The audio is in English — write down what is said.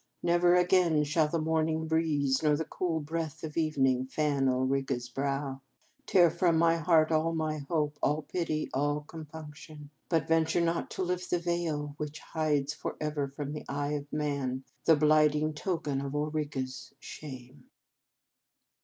Never again shall the morning breeze nor the cool breath of evening fan Ulrica s brow." " Tear from my heart all hope, all pity, all compunction; but 2 33 In Our Convent Days venture not to lift the veil which hides forever from the eye of man the blighting token of Ulrica s shame."